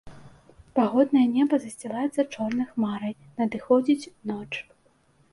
Пагоднае неба засцілаецца чорнай хмарай, надыходзіць ноч.